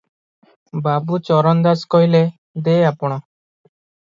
ବାବୁ ଚରଣ ଦାସ କହିଲେ-ଦେ ଆପଣେ!